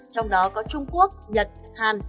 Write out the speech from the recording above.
trong đó có trung quốc nhật hàn